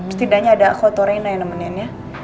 setidaknya ada kota reina yang nemeninnya